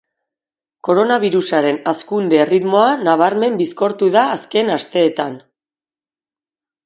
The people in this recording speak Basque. Koronabirusaren hazkunde erritmoa nabarmen bizkortu da azken asteetan.